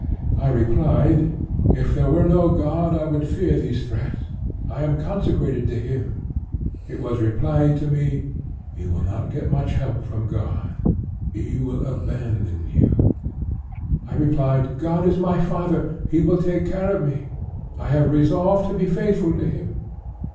I replied: 'If there were no God I would fear those threats; I am consecrated to Him.' It was replied to me: 'You will not get much help from God; He will abandon you.' I replied: 'God is my father; He will take care of me; I have resolved to be faithful to Him.'